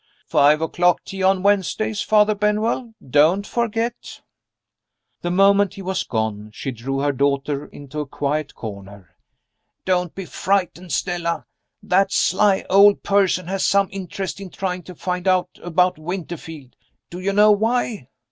"Five o'clock tea on Wednesdays, Father Benwell. Don't forget!" The moment he was gone, she drew her daughter into a quiet corner. "Don't be frightened, Stella. That sly old person has some interest in trying to find out about Winterfield. Do you know why?"